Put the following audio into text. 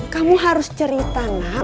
kamu harus cerita nak